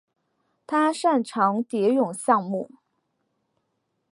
他擅长蝶泳项目。